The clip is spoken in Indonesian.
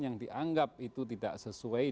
yang dianggap itu tidak sesuai